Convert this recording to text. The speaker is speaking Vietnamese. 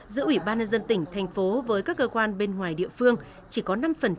giữa ủy ban nhân dân tỉnh thành phố với các cơ quan bên ngoài địa phương chỉ có năm